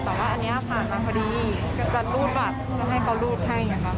แต่ว่าอันนี้ผ่านมาพอดีจะรูดบัตรจะให้เขารูดให้อย่างนี้ค่ะ